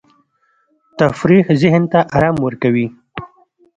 تفریح ذهن ته آرام ورکوي.